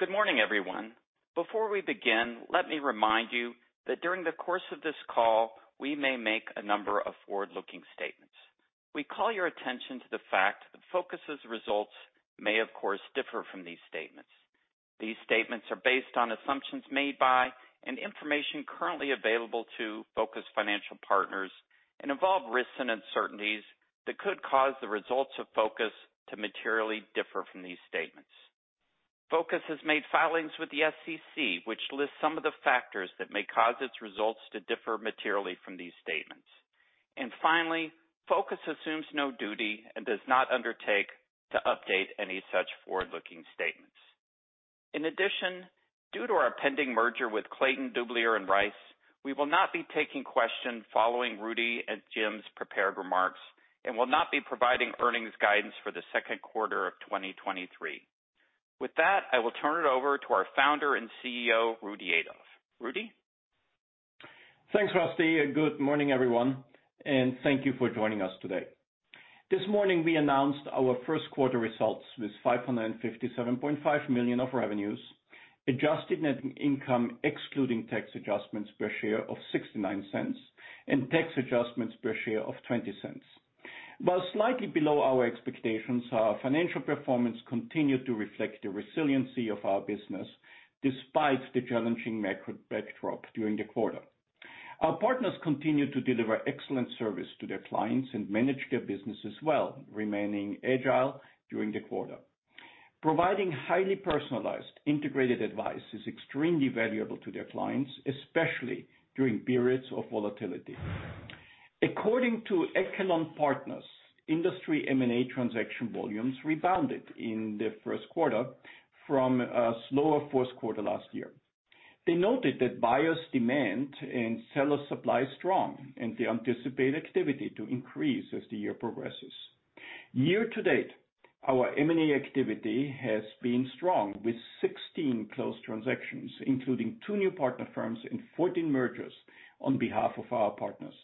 Good morning, everyone. Before we begin, let me remind you that during the course of this call, we may make a number of forward-looking statements. We call your attention to the fact that Focus' results may of course differ from these statements. These statements are based on assumptions made by and information currently available to Focus Financial Partners and involve risks and uncertainties that could cause the results of Focus to materially differ from these statements. Focus has made filings with the SEC, which lists some of the factors that may cause its results to differ materially from these statements. Finally, Focus assumes no duty and does not undertake to update any such forward-looking statements. In addition, due to our pending merger with Clayton, Dubilier & Rice, we will not be taking questions following Rudy and Jim's prepared remarks and will not be providing earnings guidance for the second quarter of 2023. With that, I will turn it over to our Founder and CEO, Rudy Adolf. Rudy? Thanks, Rusty. Good morning, everyone. Thank you for joining us today. This morning we announced our first quarter results with $557.5 million of revenues, Adjusted Net Income Excluding Tax Adjustments Per Share of $0.69, Tax Adjustments Per Share of $0.20. While slightly below our expectations, our financial performance continued to reflect the resiliency of our business despite the challenging macro backdrop during the quarter. Our partners continued to deliver excellent service to their clients and managed their businesses well, remaining agile during the quarter. Providing highly personalized integrated advice is extremely valuable to their clients, especially during periods of volatility. According to Echelon Partners, industry M&A transaction volumes rebounded in the first quarter from a slower fourth quarter last year. They noted that buyers demand and seller supply is strong. They anticipate activity to increase as the year progresses. Year-to-date, our M&A activity has been strong, with 16 closed transactions, including two new partner firms and 14 mergers on behalf of our partners.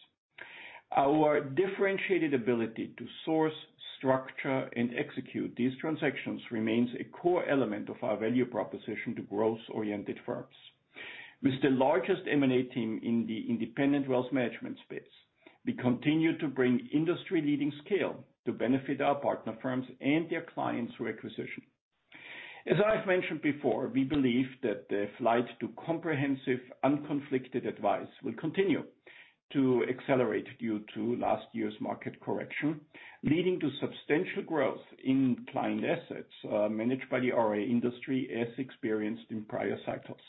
Our differentiated ability to source, structure, and execute these transactions remains a core element of our value proposition to growth-oriented firms. With the largest M&A team in the independent wealth management space, we continue to bring industry-leading scale to benefit our partner firms and their clients through acquisition. As I've mentioned before, we believe that the flight to comprehensive, unconflicted advice will continue to accelerate due to last year's market correction, leading to substantial growth in client assets managed by the RIA industry as experienced in prior cycles.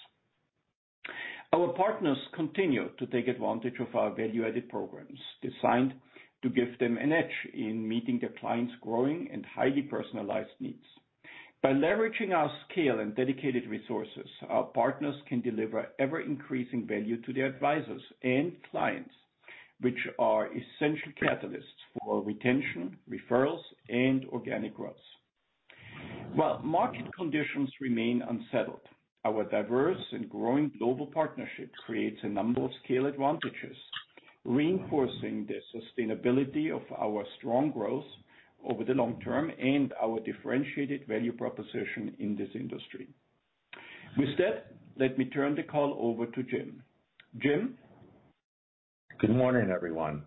Our partners continue to take advantage of our value-added programs designed to give them an edge in meeting their clients' growing and highly personalized needs. By leveraging our scale and dedicated resources, our partners can deliver ever-increasing value to their advisors and clients, which are essential catalysts for retention, referrals, and organic growth. While market conditions remain unsettled, our diverse and growing global partnership creates a number of scale advantages, reinforcing the sustainability of our strong growth over the long term and our differentiated value proposition in this industry. With that, let me turn the call over to Jim. Jim? Good morning, everyone.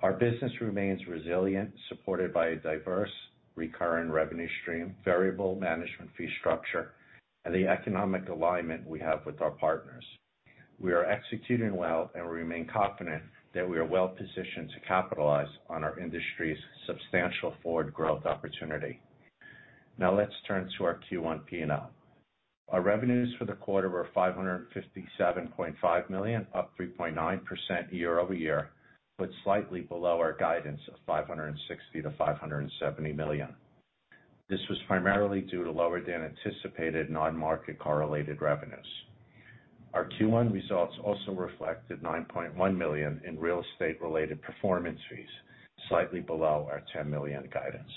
Our business remains resilient, supported by a diverse recurring revenue stream, variable management fee structure, and the economic alignment we have with our partners. We are executing well and remain confident that we are well positioned to capitalize on our industry's substantial forward growth opportunity. Let's turn to our Q1 P&L. Our revenues for the quarter were $557.5 million, up 3.9% year-over-year, but slightly below our guidance of $560 million-$570 million. This was primarily due to lower than anticipated non-market correlated revenues. Our Q1 results also reflected $9.1 million in real estate related performance fees, slightly below our $10 million guidance.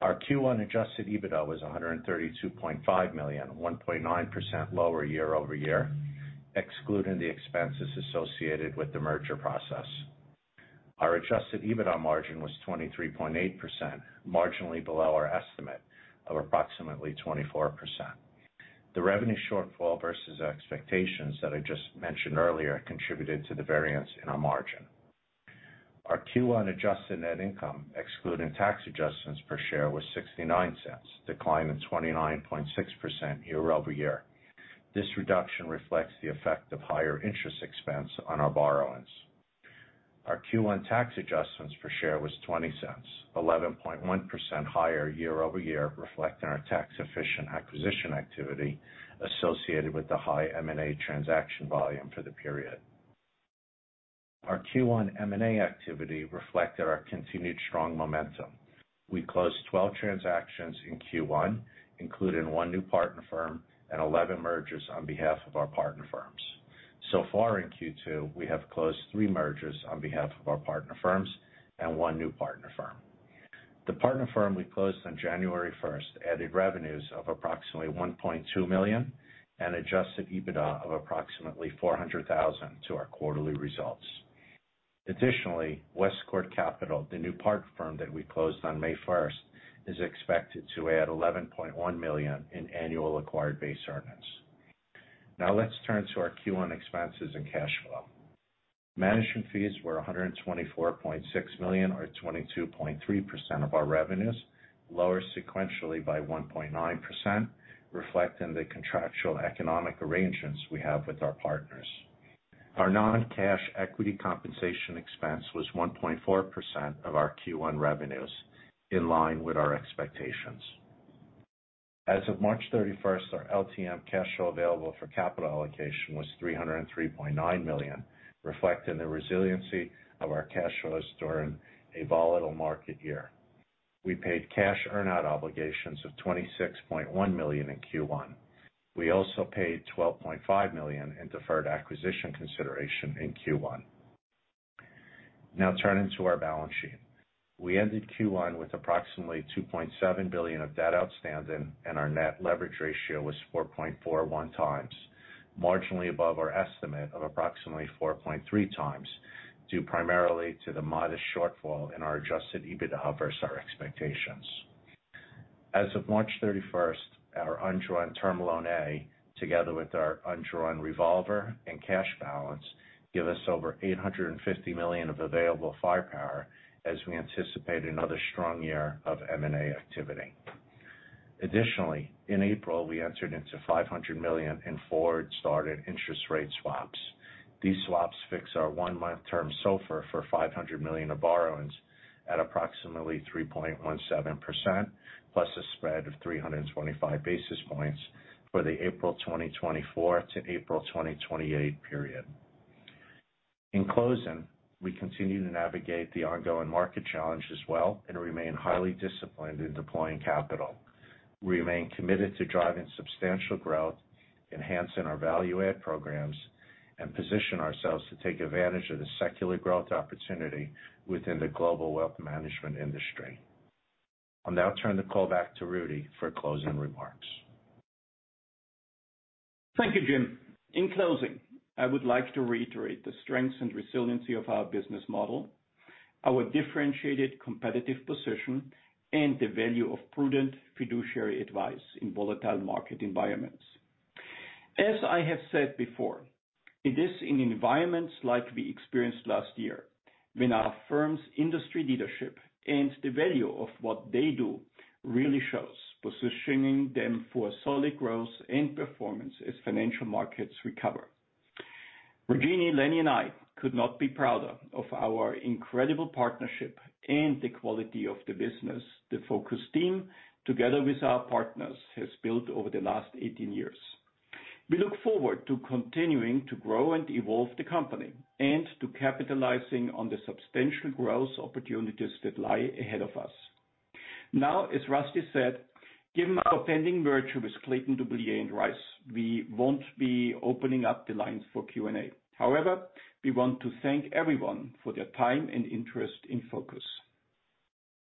Our Q1 Adjusted EBITDA was $132.5 million, 1.9% lower year-over-year, excluding the expenses associated with the merger process. Our Adjusted EBITDA margin was 23.8%, marginally below our estimate of approximately 24%. The revenue shortfall versus expectations that I just mentioned earlier contributed to the variance in our margin. Our Q1 Adjusted Net Income Excluding Tax Adjustments Per Share was $0.69, decline of 29.6% year-over-year. This reduction reflects the effect of higher interest expense on our borrowings. Our Q1 Tax Adjustments Per Share was $0.20, 11.1% higher year-over-year, reflecting our tax efficient acquisition activity associated with the high M&A transaction volume for the period. Our Q1 M&A activity reflected our continued strong momentum. We closed 12 transactions in Q1, including one new partner firm and 11 mergers on behalf of our partner firms. Far in Q2, we have closed three mergers on behalf of our partner firms and one new partner firm. The partner firm we closed on January 1st added revenues of approximately $1.2 million and Adjusted EBITDA of approximately $400,000 to our quarterly results. Additionally, Westcourt Capital, the new partner firm that we closed on May 1st, is expected to add $11.1 million in annual Acquired Base Earnings. Now let's turn to our Q1 expenses and cash flow. Management fees were $124.6 million or 22.3% of our revenues, lower sequentially by 1.9%, reflecting the contractual economic arrangements we have with our partners. Our non-cash equity compensation expense was 1.4% of our Q1 revenues, in line with our expectations. As of March 31st, our LTM Cash Flow Available for Capital Allocation was $303.9 million, reflecting the resiliency of our cash flows during a volatile market year. We paid cash earn-out obligations of $26.1 million in Q1. We also paid $12.5 million in deferred acquisition consideration in Q1. Turning to our balance sheet. We ended Q1 with approximately $2.7 billion of debt outstanding. Our Net Leverage Ratio was 4.41x, marginally above our estimate of approximately 4.3x, due primarily to the modest shortfall in our Adjusted EBITDA versus our expectations. As of March 31st, our undrawn Term Loan A, together with our undrawn revolver and cash balance, give us over $850 million of available firepower as we anticipate another strong year of M&A activity. In April, we entered into $500 million in forward starting interest rate swaps. These swaps fix our one-month term SOFR for $500 million of borrowings at approximately 3.17%, plus a spread of 325 basis points for the April 2024-April 2028 period. In closing, we continue to navigate the ongoing market challenge as well and remain highly disciplined in deploying capital. We remain committed to driving substantial growth, enhancing our value add programs, and position ourselves to take advantage of the secular growth opportunity within the global wealth management industry. I'll now turn the call back to Rudy for closing remarks. Thank you, Jim. In closing, I would like to reiterate the strengths and resiliency of our business model, our differentiated competitive position, and the value of prudent fiduciary advice in volatile market environments. As I have said before, it is in environments like we experienced last year when our firm's industry leadership and the value of what they do really shows positioning them for solid growth and performance as financial markets recover. Rajini, Lenny, and I could not be prouder of our incredible partnership and the quality of the business the Focus team together with our partners, has built over the last 18 years. We look forward to continuing to grow and evolve the company and to capitalizing on the substantial growth opportunities that lie ahead of us. As Rusty said, given our pending merger with Clayton, Dubilier & Rice, we won't be opening up the lines for Q&A. We want to thank everyone for their time and interest in Focus.